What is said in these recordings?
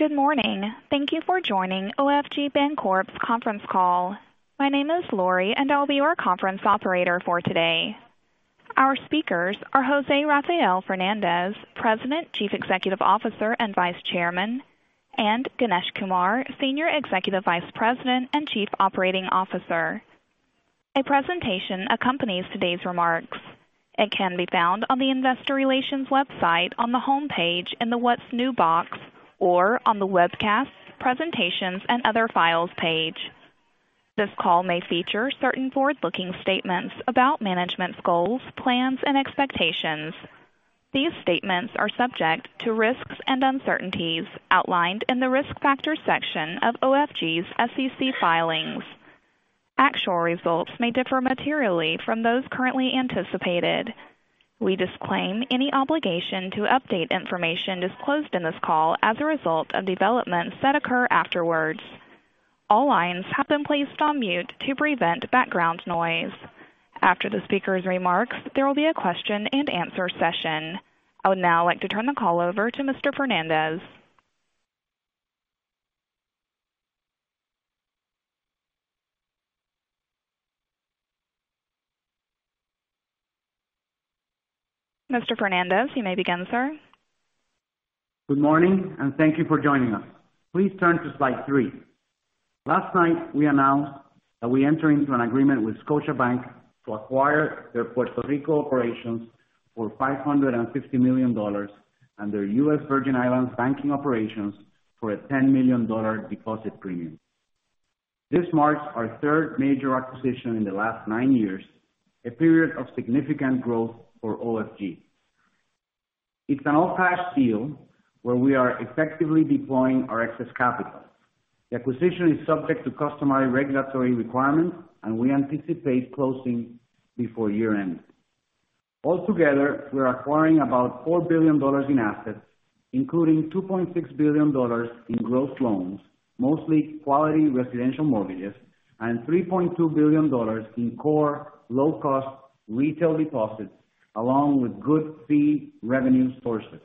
Good morning. Thank you for joining OFG Bancorp's conference call. My name is Lori, and I'll be your conference operator for today. Our speakers are José Rafael Fernández, President, Chief Executive Officer, and Vice Chairman, and Ganesh Kumar, Senior Executive Vice President and Chief Operating Officer. A presentation accompanies today's remarks. It can be found on the investor relations website on the homepage in the What's New box, or on the Webcasts, Presentations, & Other Files page. This call may feature certain forward-looking statements about management's goals, plans, and expectations. These statements are subject to risks and uncertainties outlined in the Risk Factors section of OFG's SEC filings. Actual results may differ materially from those currently anticipated. We disclaim any obligation to update information disclosed in this call as a result of developments that occur afterwards. All lines have been placed on mute to prevent background noise. After the speakers' remarks, there will be a question and answer session. I would now like to turn the call over to Mr. Fernandez. Mr. Fernandez, you may begin, sir. Good morning, and thank you for joining us. Please turn to slide three. Last night, we announced that we entered into an agreement with Scotiabank to acquire their Puerto Rico operations for $550 million and their U.S. Virgin Islands banking operations for a $10 million deposit premium. This marks our third major acquisition in the last nine years, a period of significant growth for OFG. It's an all-cash deal where we are effectively deploying our excess capital. The acquisition is subject to customary regulatory requirements. We anticipate closing before year-end. All together, we're acquiring about $4 billion in assets, including $2.6 billion in gross loans, mostly quality residential mortgages, $3.2 billion in core low-cost retail deposits, along with good fee revenue sources.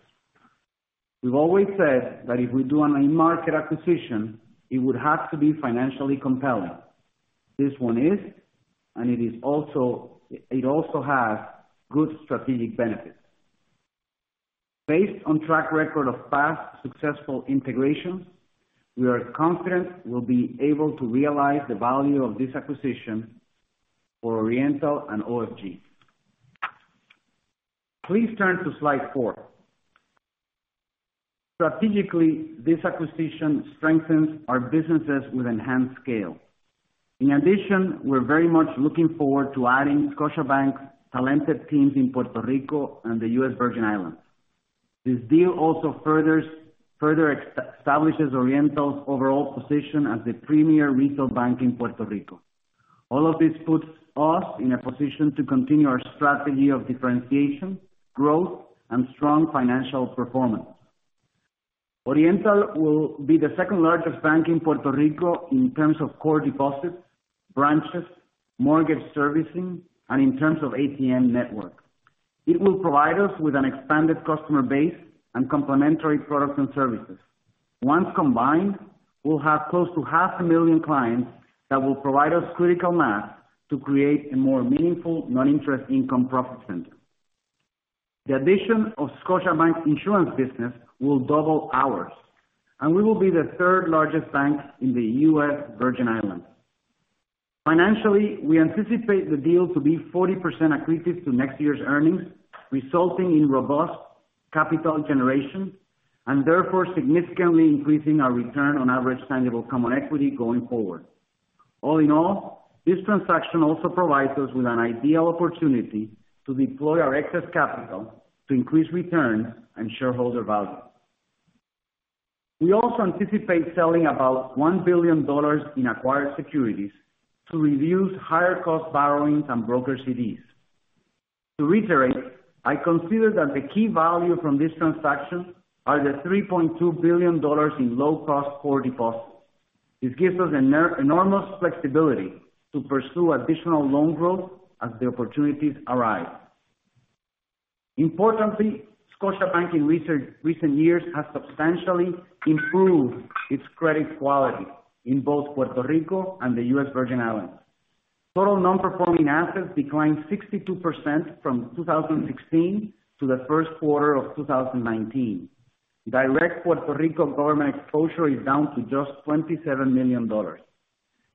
We've always said that if we do an in-market acquisition, it would have to be financially compelling. This one is. It also has good strategic benefits. Based on track record of past successful integrations, we are confident we'll be able to realize the value of this acquisition for Oriental and OFG. Please turn to slide four. Strategically, this acquisition strengthens our businesses with enhanced scale. In addition, we're very much looking forward to adding Scotiabank's talented teams in Puerto Rico and the U.S. Virgin Islands. This deal also further establishes Oriental's overall position as the premier retail bank in Puerto Rico. All of this puts us in a position to continue our strategy of differentiation, growth, and strong financial performance. Oriental will be the second-largest bank in Puerto Rico in terms of core deposits, branches, mortgage servicing, in terms of ATM network. It will provide us with an expanded customer base and complementary products and services. Once combined, we'll have close to half a million clients that will provide us critical mass to create a more meaningful non-interest income profit center. The addition of Scotiabank's insurance business will double ours. We will be the third-largest bank in the U.S. Virgin Islands. Financially, we anticipate the deal to be 40% accretive to next year's earnings, resulting in robust capital generation. Therefore significantly increasing our return on average tangible common equity going forward. All in all, this transaction also provides us with an ideal opportunity to deploy our excess capital to increase return and shareholder value. We also anticipate selling about $1 billion in acquired securities to reduce higher-cost borrowings and broker CDs. To reiterate, I consider that the key value from this transaction are the $3.2 billion in low-cost core deposits. This gives us enormous flexibility to pursue additional loan growth as the opportunities arise. Importantly, Scotiabank in recent years has substantially improved its credit quality in both Puerto Rico and the U.S. Virgin Islands. Total Non-Performing Assets declined 62% from 2016 to the first quarter of 2019. Direct Puerto Rico government exposure is down to just $27 million.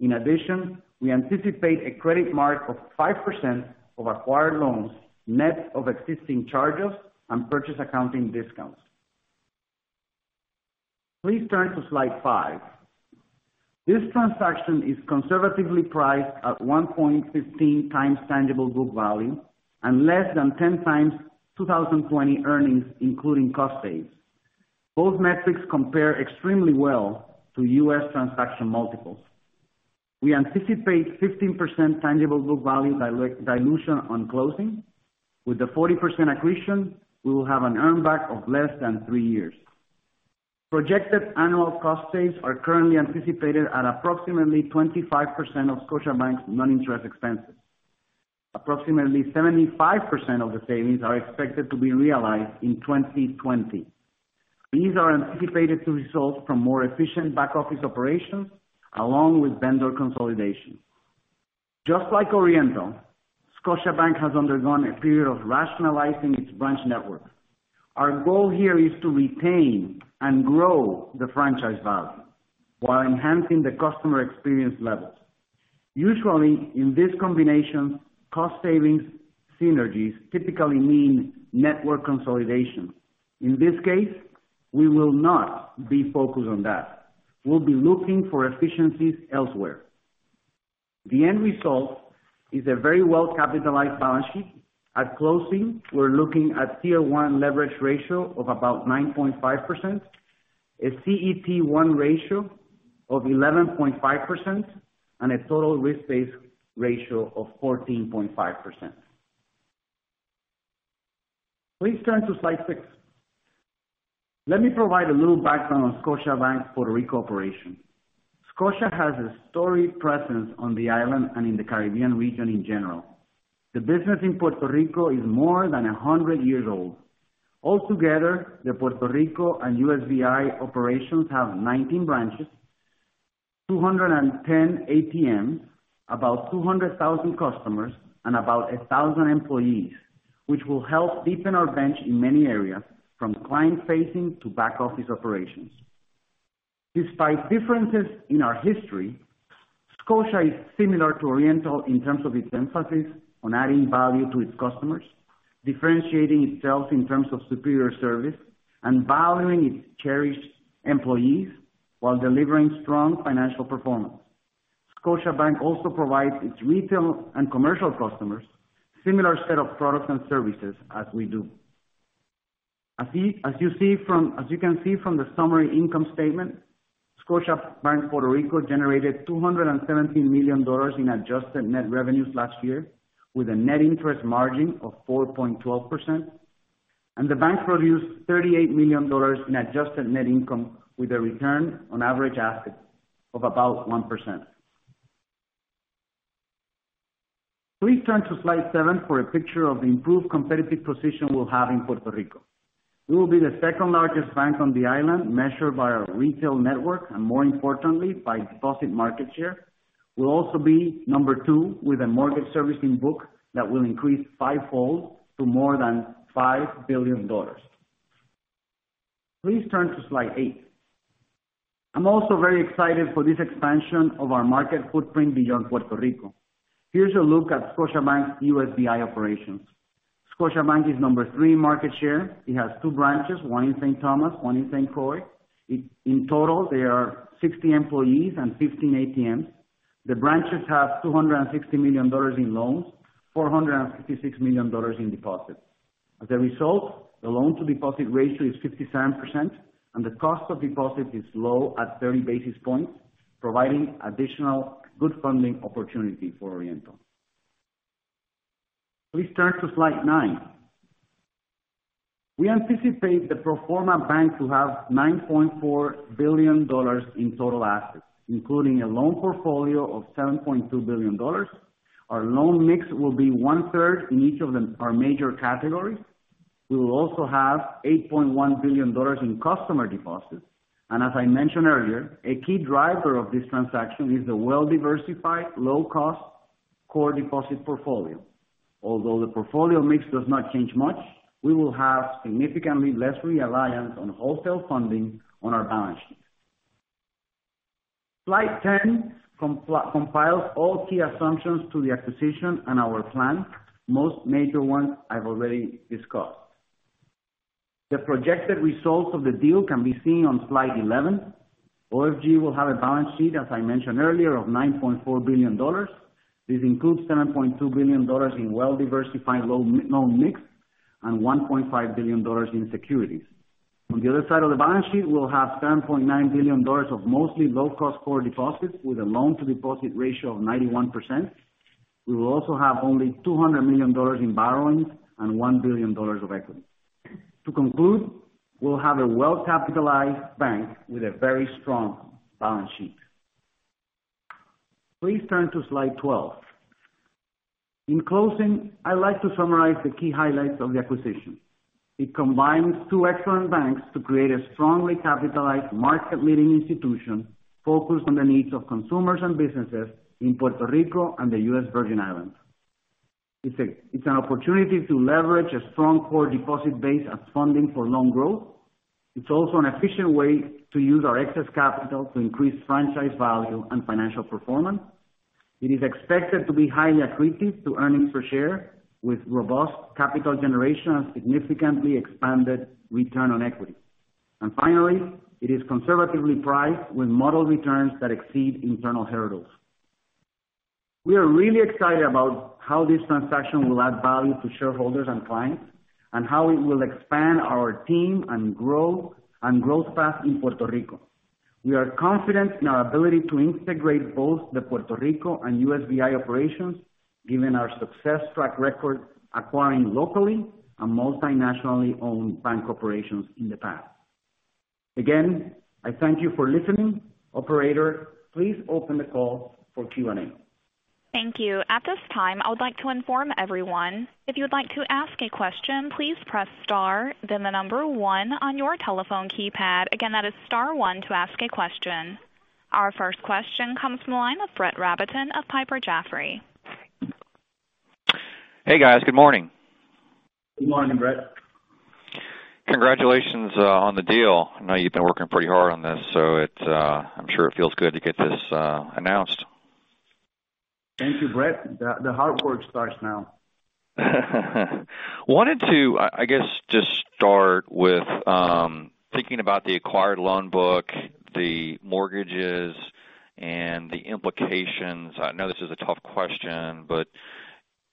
In addition, we anticipate a credit mark of 5% of acquired loans, net of existing charges and purchase accounting discounts. Please turn to slide five. This transaction is conservatively priced at 1.15 times tangible book value and less than 10 times 2020 earnings, including cost saves. Both metrics compare extremely well to U.S. transaction multiples. We anticipate 15% tangible book value dilution on closing. With the 40% accretion, we will have an earn back of less than three years. Projected annual cost saves are currently anticipated at approximately 25% of Scotiabank's non-interest expenses. Approximately 75% of the savings are expected to be realized in 2020. These are anticipated to result from more efficient back office operations along with vendor consolidation. Just like Oriental, Scotiabank has undergone a period of rationalizing its branch network. Our goal here is to retain and grow the franchise value while enhancing the customer experience level. Usually, in this combination, cost savings synergies typically mean network consolidation. In this case, we will not be focused on that. We'll be looking for efficiencies elsewhere. The end result is a very well-capitalized balance sheet. At closing, we're looking at Tier 1 leverage ratio of about 9.5%, a CET1 ratio of 11.5%, and a total risk-based ratio of 14.5%. Please turn to slide six. Let me provide a little background on Scotiabank's Puerto Rico operation. Scotia has a storied presence on the island and in the Caribbean region in general. The business in Puerto Rico is more than 100 years old. Altogether, the Puerto Rico and USVI operations have 19 branches, 210 ATMs, about 200,000 customers, and about 1,000 employees, which will help deepen our bench in many areas, from client-facing to back-office operations. Despite differences in our history, Scotia is similar to Oriental in terms of its emphasis on adding value to its customers, differentiating itself in terms of superior service, and valuing its cherished employees while delivering strong financial performance. Scotiabank also provides its retail and commercial customers similar set of products and services as we do. As you can see from the summary income statement, Scotiabank Puerto Rico generated $217 million in adjusted net revenues last year with a net interest margin of 4.12%. The bank produced $38 million in adjusted net income with a return on average assets of about 1%. Please turn to slide seven for a picture of the improved competitive position we'll have in Puerto Rico. We will be the second-largest bank on the island measured by our retail network and more importantly, by deposit market share. We'll also be number two with a mortgage servicing book that will increase fivefold to more than $5 billion. Please turn to slide eight. I'm also very excited for this expansion of our market footprint beyond Puerto Rico. Here's a look at Scotiabank's U.S.V.I. operations. Scotiabank is number three market share. It has two branches, one in St. Thomas, one in St. Croix. In total, there are 60 employees and 15 ATMs. The branches have $260 million in loans, $466 million in deposits. As a result, the loan-to-deposit ratio is 57%, and the cost of deposit is low at 30 basis points, providing additional good funding opportunity for Oriental. Please turn to slide nine. We anticipate the pro forma bank to have $9.4 billion in total assets, including a loan portfolio of $7.2 billion. Our loan mix will be one-third in each of our major categories. We will also have $8.1 billion in customer deposits. As I mentioned earlier, a key driver of this transaction is the well-diversified, low-cost core deposit portfolio. Although the portfolio mix does not change much, we will have significantly less reliance on wholesale funding on our balance sheet. Slide 10 compiles all key assumptions to the acquisition and our plan. Most major ones I've already discussed. The projected results of the deal can be seen on slide 11. OFG will have a balance sheet, as I mentioned earlier, of $9.4 billion. This includes $7.2 billion in well-diversified loan mix and $1.5 billion in securities. On the other side of the balance sheet, we'll have $10.9 billion of mostly low-cost core deposits with a loan-to-deposit ratio of 91%. We will also have only $200 million in borrowings and $1 billion of equity. To conclude, we'll have a well-capitalized bank with a very strong balance sheet. Please turn to slide 12. In closing, I'd like to summarize the key highlights of the acquisition. It combines two excellent banks to create a strongly capitalized market-leading institution focused on the needs of consumers and businesses in Puerto Rico and the U.S. Virgin Islands. It's an opportunity to leverage a strong core deposit base as funding for loan growth. It's also an efficient way to use our excess capital to increase franchise value and financial performance. It is expected to be highly accretive to earnings per share with robust capital generation and significantly expanded return on equity. Finally, it is conservatively priced with model returns that exceed internal hurdles. We are really excited about how this transaction will add value to shareholders and clients, and how it will expand our team and growth path in Puerto Rico. We are confident in our ability to integrate both the Puerto Rico and U.S.V.I. operations given our success track record acquiring locally and multi-nationally owned bank operations in the past. Again, I thank you for listening. Operator, please open the call for Q&A. Thank you. At this time, I would like to inform everyone, if you would like to ask a question, please press star then the number one on your telephone keypad. Again, that is star one to ask a question. Our first question comes from the line of Brett Rabatin of Piper Jaffray. Hey, guys. Good morning. Good morning, Brett. Congratulations on the deal. I know you've been working pretty hard on this. I'm sure it feels good to get this announced. Thank you, Brett. The hard work starts now. Wanted to, I guess just start with thinking about the acquired loan book, the mortgages, and the implications. I know this is a tough question, but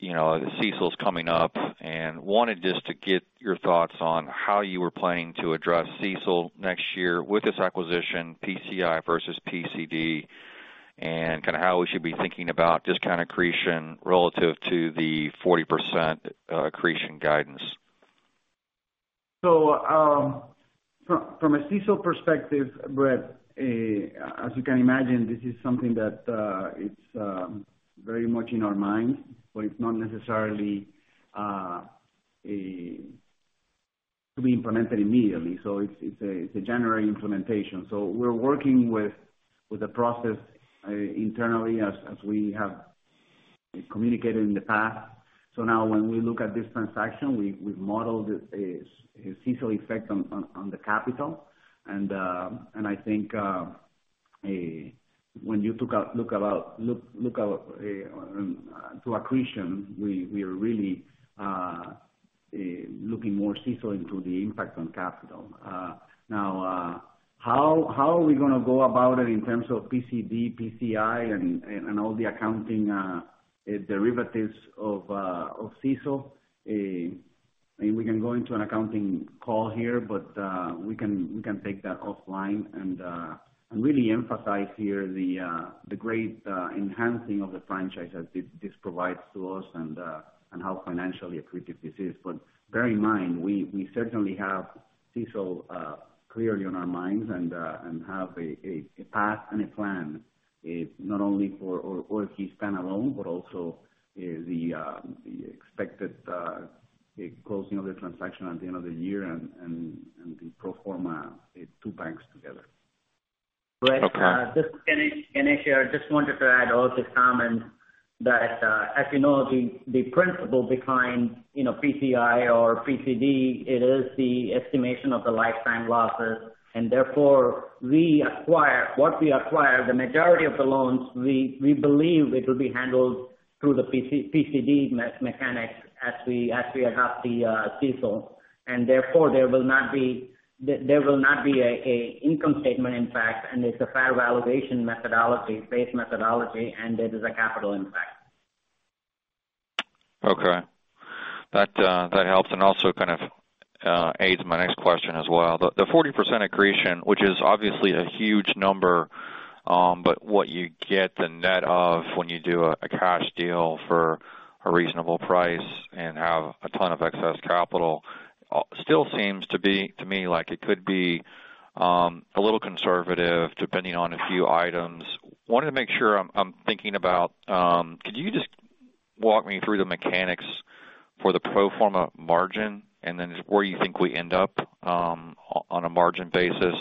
the CECL's coming up and wanted just to get your thoughts on how you were planning to address CECL next year with this acquisition, PCI versus PCD, and kind of how we should be thinking about discount accretion relative to the 40% accretion guidance. From a CECL perspective, Brett, as you can imagine, this is something that it's very much in our mind, but it's not necessarily to be implemented immediately. It's a January implementation. We're working with the process internally as we have communicated in the past. Now when we look at this transaction, we've modeled a CECL effect on the capital. I think when you look out to accretion, we are really looking more CECL into the impact on capital. Now, how are we going to go about it in terms of PCD, PCI, and all the accounting derivatives of CECL? We can go into an accounting call here, we can take that offline and really emphasize here the great enhancing of the franchise that this provides to us and how financially accretive this is. Bear in mind, we certainly have CECL clearly on our minds and have a path and a plan not only for key standalone, but also the expected closing of the transaction at the end of the year and the pro forma two banks together. Okay. Brett, this is Ganesh here. Just wanted to add also comment that as you know, the principle behind PCI or PCD, it is the estimation of the lifetime losses. Therefore, what we acquire, the majority of the loans, we believe it will be handled through the PCD mechanics as we adopt the CECL. Therefore, there will not be an income statement impact, and it's a fair valuation methodology, base methodology, and it is a capital impact. Okay. That helps and also kind of aids my next question as well. The 40% accretion, which is obviously a huge number, but what you get the net of when you do a cash deal for a reasonable price and have a ton of excess capital, still seems to me like it could be a little conservative depending on a few items. Wanted to make sure I'm thinking about, could you just walk me through the mechanics for the pro forma margin and then where you think we end up on a margin basis?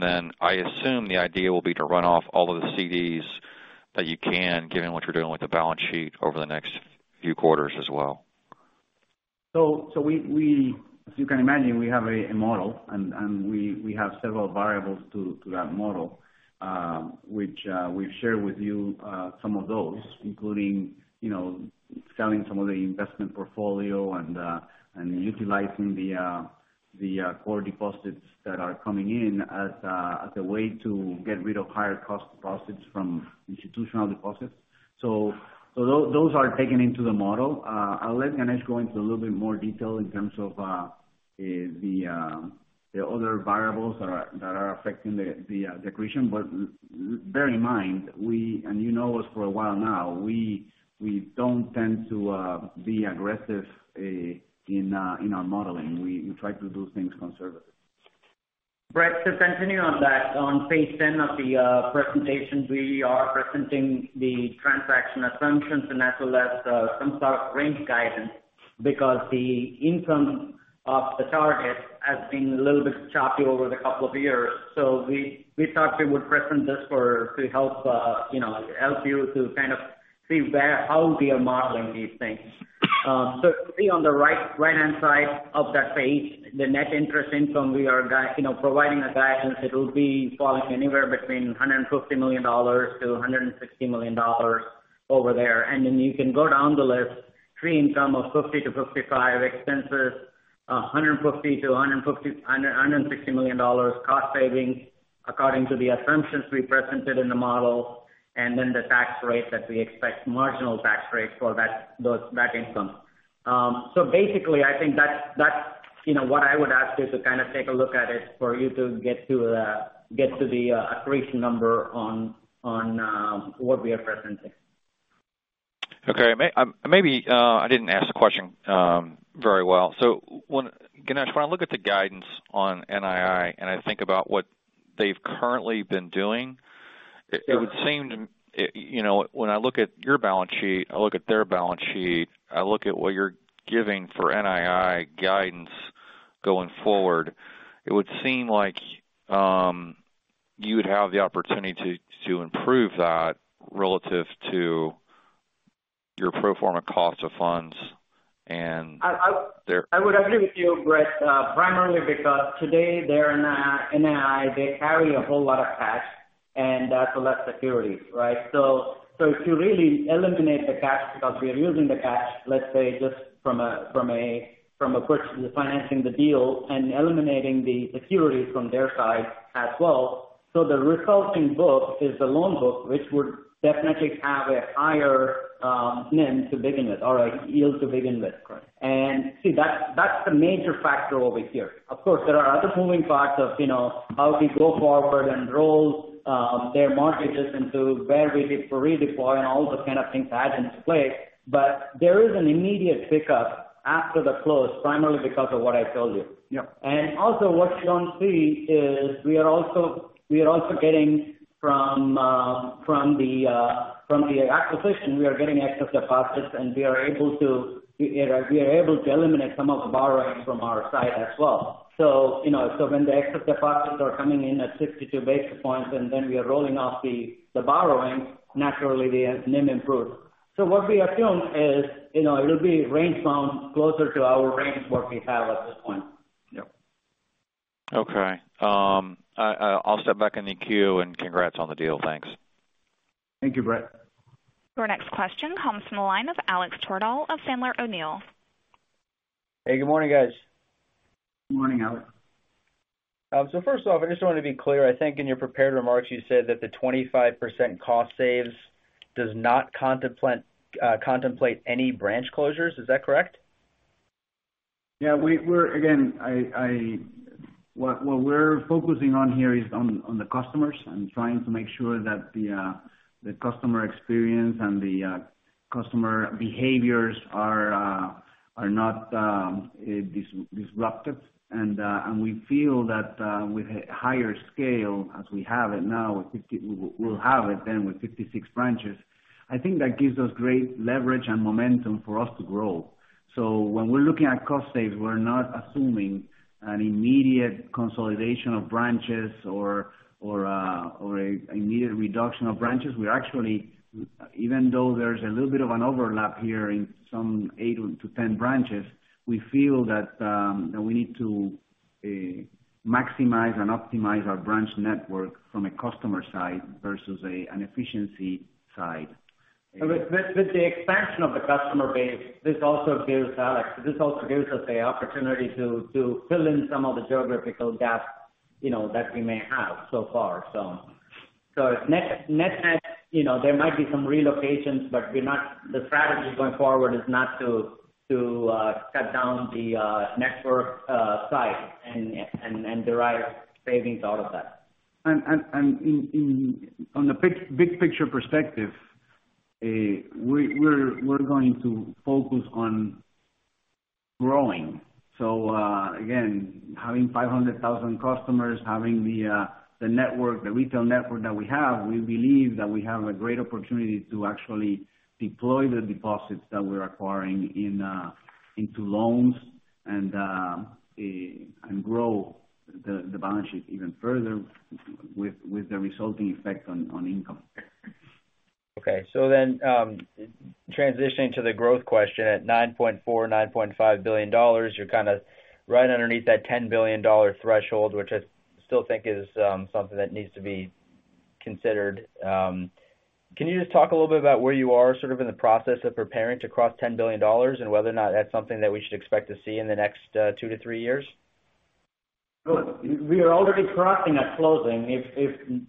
Then I assume the idea will be to run off all of the CDs that you can, given what you're doing with the balance sheet over the next few quarters as well. As you can imagine, we have a model, and we have several variables to that model, which we've shared with you some of those, including selling some of the investment portfolio and utilizing the core deposits that are coming in as a way to get rid of higher cost deposits from institutional deposits. Those are taken into the model. I'll let Ganesh go into a little bit more detail in terms of the other variables that are affecting the accretion. Bear in mind, and you know us for a while now, we don't tend to be aggressive in our modeling. We try to do things conservative. Brett, just continue on that. On page 10 of the presentation, we are presenting the transaction assumptions as well as some sort of range guidance because the income of the target has been a little bit choppy over the couple of years. We thought we would present this to help you to kind of see how we are modeling these things. See on the right-hand side of that page, the net interest income we are providing a guidance, it will be falling anywhere between $150 million-$160 million over there. Then you can go down the list, pre-income of $50 million-$55 million expenses, $150 million-$160 million cost savings according to the assumptions we presented in the model, then the tax rate that we expect, marginal tax rate for that income. Basically, I think that's what I would ask you to kind of take a look at it for you to get to the accretion number on what we are presenting. Okay. Maybe I didn't ask the question very well. Ganesh Kumar, when I look at the guidance on NII, I think about what they've currently been doing. It would seem, when I look at your balance sheet, I look at their balance sheet, I look at what you're giving for NII guidance going forward, it would seem like you would have the opportunity to improve that relative to your pro forma cost of funds and their. I would agree with you, Brett Rabatin, primarily because today their NII, they carry a whole lot of cash and a lot of securities, right? If you really eliminate the cash because we are using the cash, let's say just from a question of financing the deal and eliminating the securities from their side as well. The resulting book is the loan book, which would definitely have a higher NIM to begin with or a yield to begin with. Correct. See, that's the major factor over here. Of course, there are other moving parts of how we go forward and roll their mortgages into where we redeploy and all those kind of things that add into play. There is an immediate pickup after the close primarily because of what I told you. Yep. Also what you don't see is we are also getting from the acquisition, we are getting excess deposits, and we are able to eliminate some of the borrowing from our side as well. When the excess deposits are coming in at 62 basis points, then we are rolling off the borrowing, naturally the NIM improves. What we assume is it'll be range-bound closer to our range what we have at this point. Yep. Okay. I'll step back in the queue and congrats on the deal. Thanks. Thank you, Brett Rabatin. Your next question comes from the line of Alex Twerdahl of Sandler O'Neill. Hey, good morning, guys. Good morning, Alex. First off, I just want to be clear. I think in your prepared remarks, you said that the 25% cost saves does not contemplate any branch closures. Is that correct? Yeah. What we're focusing on here is on the customers and trying to make sure that the customer experience and the customer behaviors are not disrupted. We feel that with higher scale as we have it now, we'll have it then with 56 branches. I think that gives us great leverage and momentum for us to grow. When we're looking at cost saves, we're not assuming an immediate consolidation of branches or immediate reduction of branches. We're actually, even though there's a little bit of an overlap here in some eight to 10 branches, we feel that we need to maximize and optimize our branch network from a customer side versus an efficiency side. With the expansion of the customer base, this also gives us a opportunity to fill in some of the geographical gaps that we may have so far. Net-net, there might be some relocations, but the strategy going forward is not to cut down the network size and derive savings out of that. On the big picture perspective, we're going to focus on growing. Again, having 500,000 customers, having the retail network that we have, we believe that we have a great opportunity to actually deploy the deposits that we're acquiring into loans and grow the balance sheet even further with the resulting effect on income. Okay. Transitioning to the growth question at $9.4 billion, $9.5 billion, you're kind of right underneath that $10 billion threshold, which I still think is something that needs to be considered. Can you just talk a little bit about where you are sort of in the process of preparing to cross $10 billion and whether or not that's something that we should expect to see in the next two to three years? Sure. We are already crossing at closing.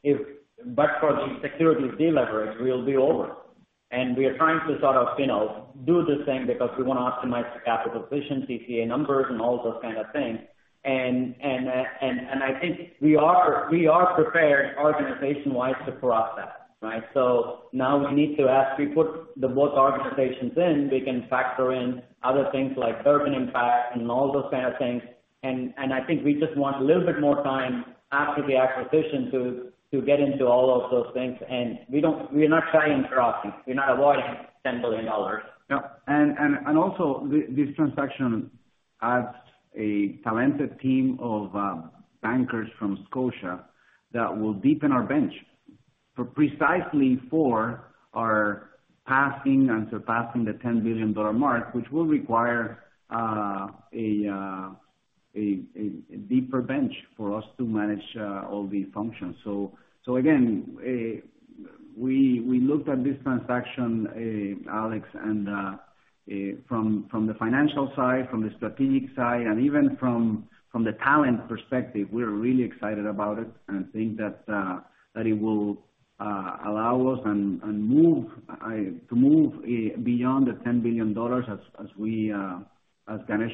For the securities de-leverage, we'll be over. We are trying to sort of do the thing because we want to optimize the capital efficiency, CA numbers, and all those kind of things. I think we are prepared organization-wide to cross that, right? Now we need to as we put both organizations in, we can factor in other things like Durbin impact and all those kind of things. I think we just want a little bit more time after the acquisition to get into all of those things. We are not shying crossing. We're not avoiding $10 billion. No. Also, this transaction adds a talented team of bankers from Scotia that will deepen our bench precisely for our passing and surpassing the $10 billion mark, which will require a deeper bench for us to manage all the functions. Again, we looked at this transaction, Alex, from the financial side, from the strategic side, and even from the talent perspective, we're really excited about it and think that it will allow us and to move beyond the $10 billion as Ganesh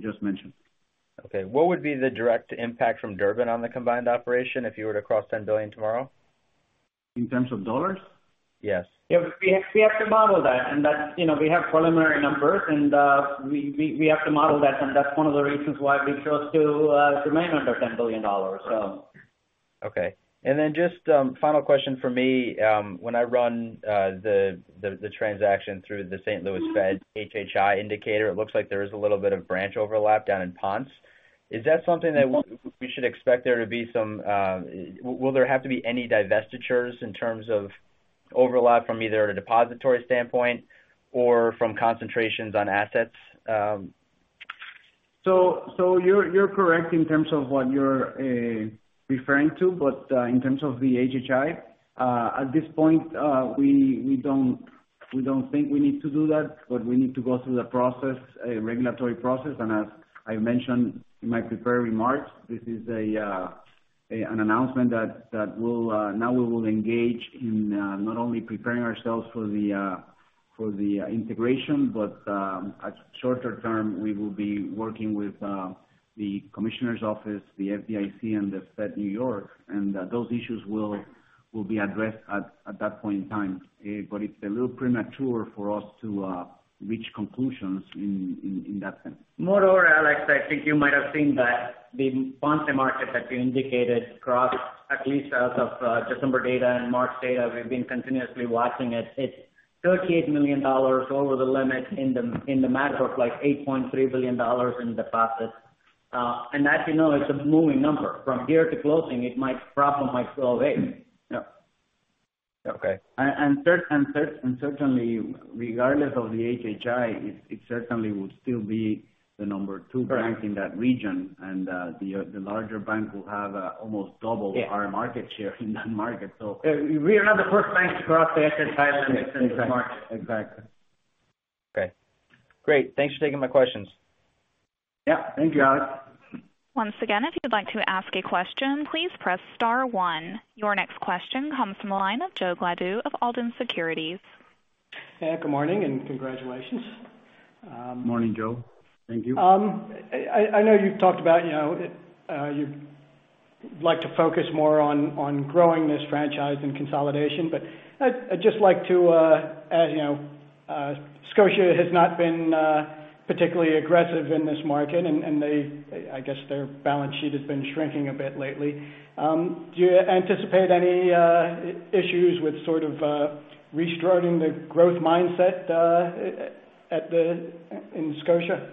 just mentioned. Okay. What would be the direct impact from Durbin on the combined operation if you were to cross $10 billion tomorrow? In terms of dollars? Yes. We have to model that. We have preliminary numbers, and we have to model that, and that's one of the reasons why we chose to remain under $10 billion. Okay. Just final question from me. When I run the transaction through the St. Louis Fed HHI indicator, it looks like there is a little bit of branch overlap down in Ponce. Is that something that we should expect there to be any divestitures in terms of overlap from either a depository standpoint or from concentrations on assets? You're correct in terms of what you're referring to. In terms of the HHI, at this point, we don't think we need to do that. We need to go through the process, a regulatory process, and as I mentioned in my prepared remarks, this is an announcement that now we will engage in not only preparing ourselves for the integration, but at shorter term, we will be working with the commissioner's office, the FDIC, and the Fed New York, and those issues will be addressed at that point in time. It's a little premature for us to reach conclusions in that sense. Moreover, Alex, I think you might have seen that the Ponce market that you indicated crossed at least as of December data and March data. We've been continuously watching it. It's $38 million over the limit in the matter of like $8.3 billion in deposits. As you know, it's a moving number. From here to closing, it might drop or might go away. Yeah. Okay. Certainly, regardless of the HHI, it certainly would still be the number 2 bank in that region. The larger bank will have almost double our market share in that market. We are not the first bank to cross the asset size in this market. Exactly. Okay. Great. Thanks for taking my questions. Yeah. Thank you, Alex. Once again, if you'd like to ask a question, please press star one. Your next question comes from the line of Joe Gladue of Alden Securities. Hey, good morning. Congratulations. Morning, Joe. Thank you. I know you've talked about you like to focus more on growing this franchise than consolidation. Scotiabank has not been particularly aggressive in this market, and I guess their balance sheet has been shrinking a bit lately. Do you anticipate any issues with sort of restarting the growth mindset in Scotiabank?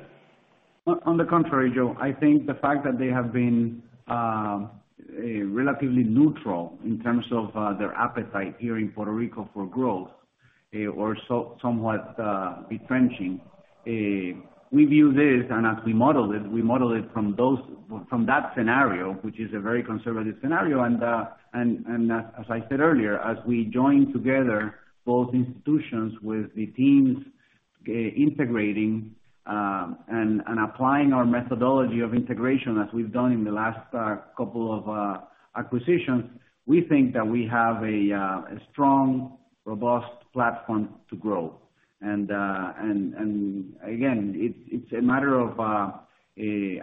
On the contrary, Joe. I think the fact that they have been relatively neutral in terms of their appetite here in Puerto Rico for growth or somewhat retrenching. We view this and as we model it, we model it from that scenario, which is a very conservative scenario. As I said earlier, as we join together both institutions with the teams integrating and applying our methodology of integration as we've done in the last couple of acquisitions, we think that we have a strong, robust platform to grow. Again, it's a matter of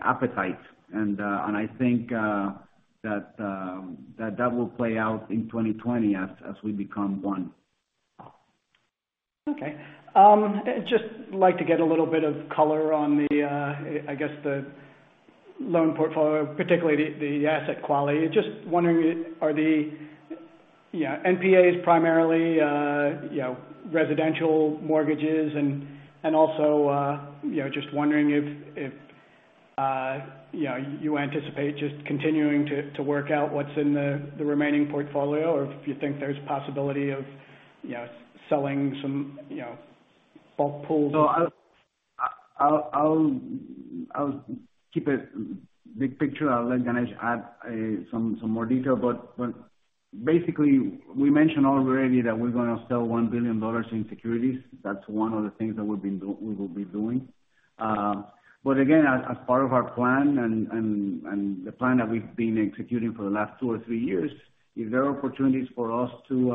appetite. I think that will play out in 2020 as we become one. Okay. I'd just like to get a little bit of color on the loan portfolio, particularly the asset quality. Just wondering, are the NPAs primarily residential mortgages? Also just wondering if you anticipate just continuing to work out what's in the remaining portfolio, or if you think there's a possibility of selling some bulk pools. I'll keep it big picture. I'll let Ganesh Kumar add some more detail. Basically, we mentioned already that we're going to sell $1 billion in securities. That's one of the things that we will be doing. Again, as part of our plan and the plan that we've been executing for the last 2 or 3 years, if there are opportunities for us to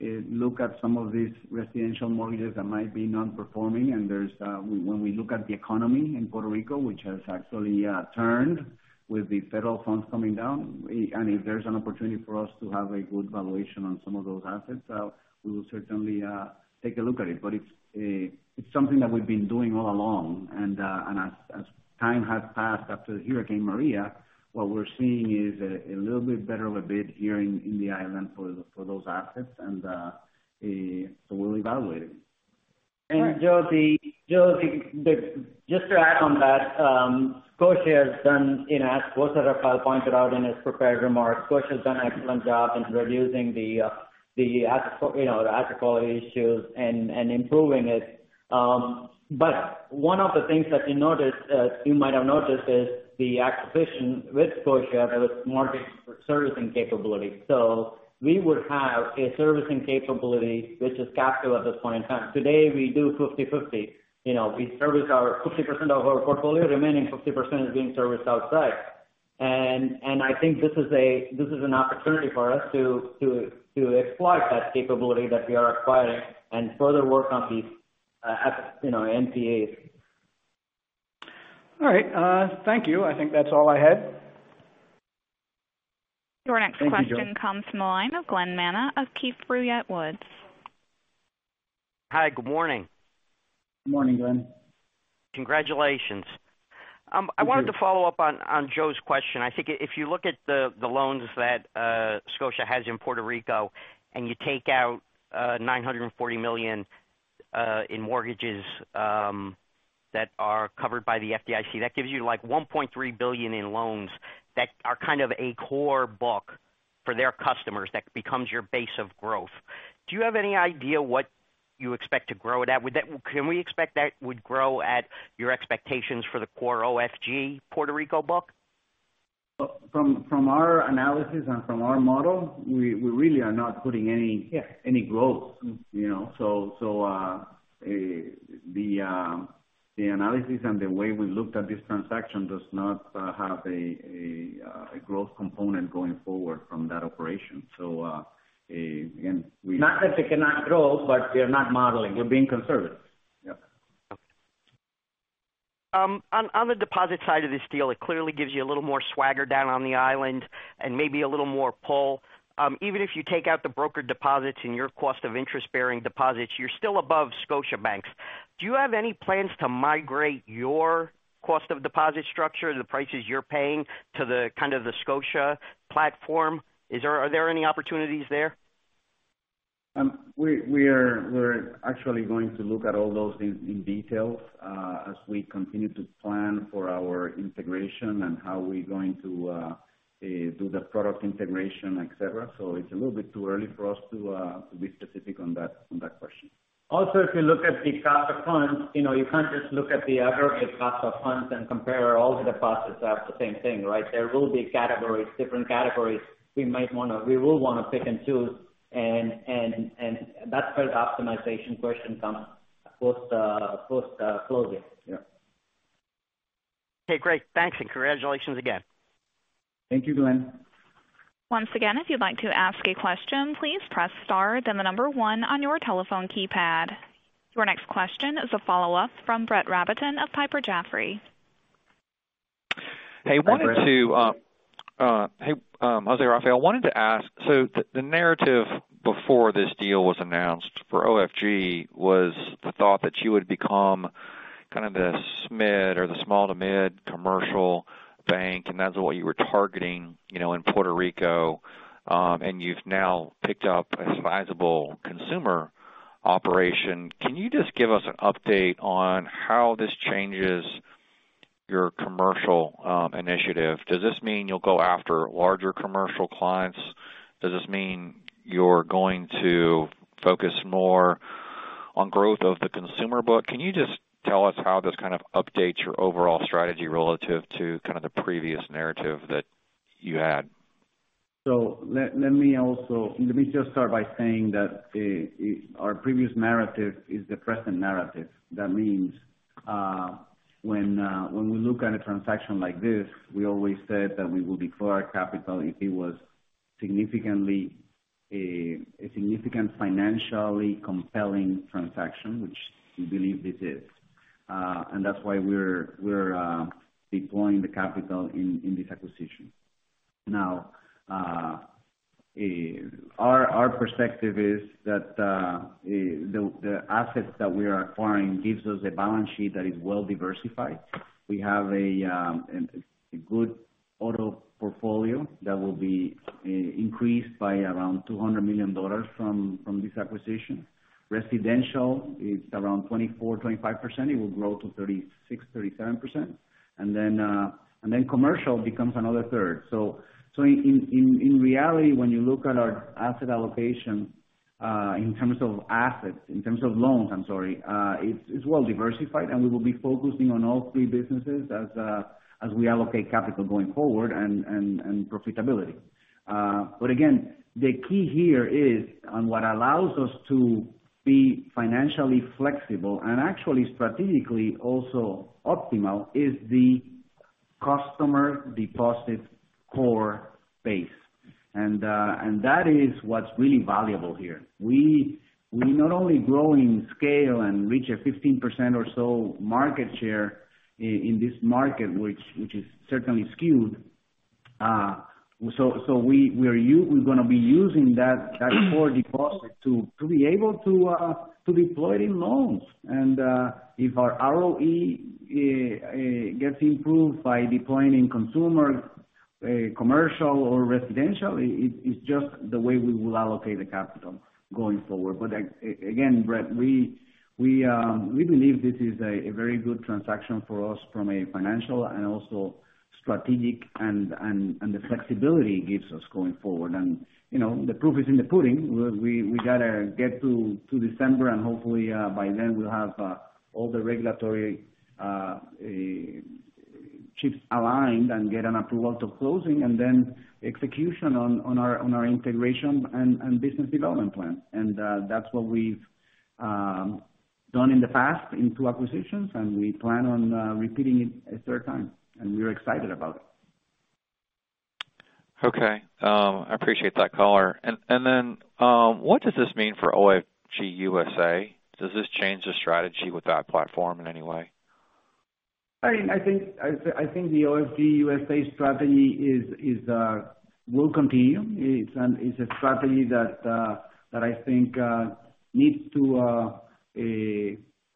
look at some of these residential mortgages that might be non-performing. When we look at the economy in Puerto Rico, which has actually turned with the federal funds coming down, if there's an opportunity for us to have a good valuation on some of those assets, we will certainly take a look at it. It's something that we've been doing all along. As time has passed after Hurricane Maria, what we're seeing is a little bit better of a bid here in the island for those assets. We'll evaluate it. Joe, just to add on that. As both Rafael pointed out in his prepared remarks, Scotiabank has done an excellent job in reducing the asset quality issues and improving it. One of the things that you might have noticed is the acquisition with Scotiabank, there was more servicing capability. We would have a servicing capability which is capital at this point in time. Today, we do 50/50. We service 50% of our portfolio, remaining 50% is being serviced outside. I think this is an opportunity for us to exploit that capability that we are acquiring and further work on these NPAs. All right. Thank you. I think that's all I had. Your next question comes from the line of Glen Manna of Keefe, Bruyette & Woods. Hi. Good morning. Good morning, Glen. Congratulations. Thank you. I wanted to follow up on Joe's question. I think if you look at the loans that Scotia has in Puerto Rico, and you take out $940 million in mortgages that are covered by the FDIC, that gives you like $1.3 billion in loans that are kind of a core book for their customers that becomes your base of growth. Do you have any idea what you expect to grow it at? Can we expect that would grow at your expectations for the core OFG Puerto Rico book? From our analysis and from our model, we really are not putting any growth. The analysis and the way we looked at this transaction does not have a growth component going forward from that operation. Again, not that they cannot grow, but we are not modeling. We're being conservative. Yeah. On the deposit side of this deal, it clearly gives you a little more swagger down on the island and maybe a little more pull. Even if you take out the broker deposits and your cost of interest-bearing deposits, you're still above Scotiabank's. Do you have any plans to migrate your cost of deposit structure, the prices you're paying to the Scotiabank platform? Are there any opportunities there? We're actually going to look at all those in detail as we continue to plan for our integration and how we're going to do the product integration, et cetera. It's a little bit too early for us to be specific on that question. If you look at the cost of funds, you can't just look at the aggregate cost of funds and compare all the costs as the same thing, right? There will be categories, different categories we will want to pick and choose, and that's where the optimization question comes post-closing. Yeah. Okay, great. Thanks, and congratulations again. Thank you, Glen. Once again, if you'd like to ask a question, please press star, then the number 1 on your telephone keypad. Your next question is a follow-up from Brett Rabatin of Piper Sandler. Hey, Brett. Hey. José Rafael, I wanted to ask. The narrative before this deal was announced for OFG was the thought that you would become kind of the SMid or the small to mid commercial bank, and that is what you were targeting in Puerto Rico. You have now picked up a sizable consumer operation. Can you just give us an update on how this changes your commercial initiative? Does this mean you will go after larger commercial clients? Does this mean you are going to focus more on growth of the consumer book? Can you just tell us how this kind of updates your overall strategy relative to kind of the previous narrative that you had? Let me just start by saying that our previous narrative is the present narrative. That means when we look at a transaction like this, we always said that we will deploy capital if it was a significant financially compelling transaction, which we believe this is. That is why we are deploying the capital in this acquisition. Now, our perspective is that the assets that we are acquiring gives us a balance sheet that is well-diversified. We have a good auto portfolio that will be increased by around $200 million from this acquisition. Residential is around 24%-25%. It will grow to 36%-37%. Then commercial becomes another third. In reality, when you look at our asset allocation in terms of assets, in terms of loans, I am sorry, it is well-diversified, and we will be focusing on all three businesses as we allocate capital going forward and profitability. Again, the key here is on what allows us to be financially flexible and actually strategically also optimal is the customer deposit core base. That is what is really valuable here. We not only grow in scale and reach a 15% or so market share in this market, which is certainly skewed. We are going to be using that core deposit to be able to deploy it in loans. If our ROE gets improved by deploying in consumer, commercial or residential, it is just the way we will allocate the capital going forward. Again, Brett, we believe this is a very good transaction for us from a financial and also strategic and the flexibility it gives us going forward. The proof is in the pudding. We got to get to December, hopefully by then we will have all the regulatory ships aligned and get an approval to closing and then execution on our integration and business development plan. That is what we have Done in the past in 2 acquisitions. We plan on repeating it a third time. We're excited about it. Okay. I appreciate that, caller. What does this mean for OFG Bancorp? Does this change the strategy with that platform in any way? I think the OFG Bancorp strategy will continue. It's a strategy that I think needs to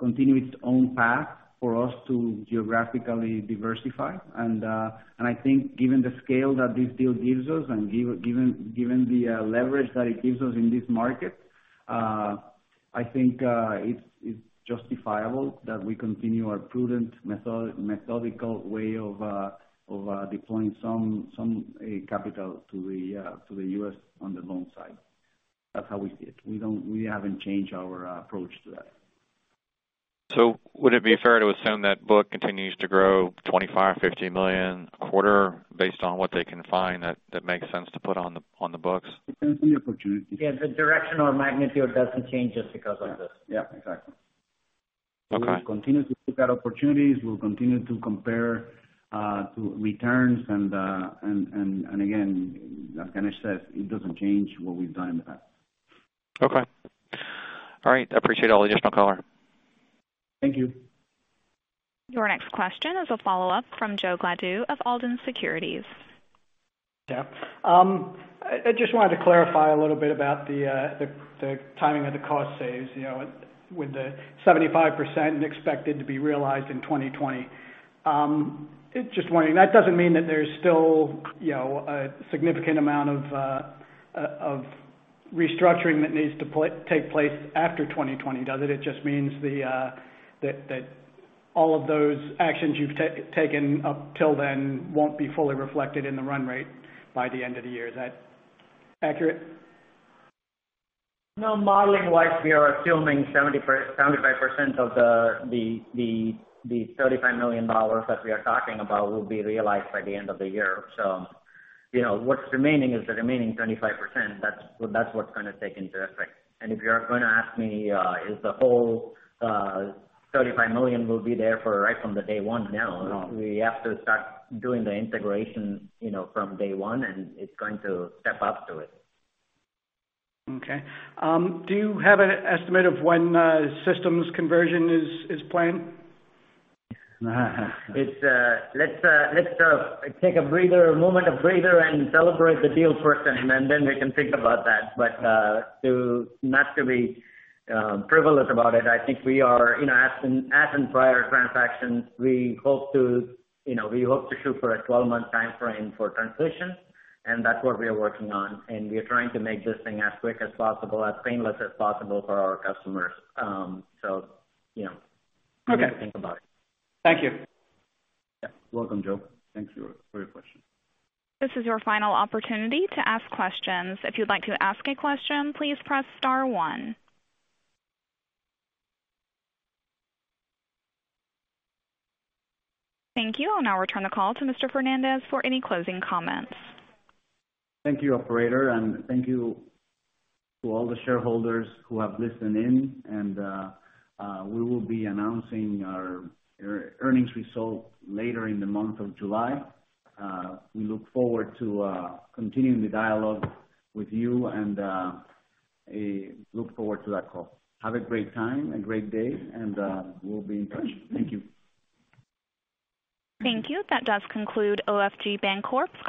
continue its own path for us to geographically diversify. I think given the scale that this deal gives us and given the leverage that it gives us in this market, I think it's justifiable that we continue our prudent, methodical way of deploying some capital to the U.S. on the loan side. That's how we see it. We haven't changed our approach to that. Would it be fair to assume that book continues to grow 25, $50 million a quarter based on what they can find that makes sense to put on the books? Depends on the opportunity. Yeah, the direction or magnitude doesn't change just because of this. Yeah, exactly. Okay. We'll continue to look at opportunities. We'll continue to compare to returns and, again, as Ganesh says, it doesn't change what we've done in the past. Okay. All right. I appreciate all the additional color. Thank you. Your next question is a follow-up from Joe Gladue of Alden Securities. I just wanted to clarify a little bit about the timing of the cost saves, with the 75% expected to be realized in 2020. Just wondering, that doesn't mean that there's still a significant amount of restructuring that needs to take place after 2020, does it? It just means that all of those actions you've taken up till then won't be fully reflected in the run rate by the end of the year. Is that accurate? No. Modeling-wise, we are assuming 75% of the $35 million that we are talking about will be realized by the end of the year. What's remaining is the remaining 25%. That's what's going to take into effect. If you're going to ask me is the whole $35 million will be there right from the day one, no. No. We have to start doing the integration from day one, and it's going to step up to it. Okay. Do you have an estimate of when systems conversion is planned? Let's take a breather, a moment of breather, and celebrate the deal first, and then we can think about that. To not to be frivolous about it, I think we are, as in prior transactions, we hope to shoot for a 12-month timeframe for transition. That's what we are working on, and we are trying to make this thing as quick as possible, as painless as possible for our customers. We'll think about it. Okay. Thank you. Yeah. Welcome, Joe. Thanks for your question. This is your final opportunity to ask questions. If you would like to ask a question, please press star one. Thank you. I'll now return the call to Mr. Fernandez for any closing comments. Thank you, Operator, and thank you to all the shareholders who have listened in. We will be announcing our earnings result later in the month of July. We look forward to continuing the dialogue with you and look forward to that call. Have a great time, a great day, and we'll be in touch. Thank you. Thank you. That does conclude OFG Bancorp's call.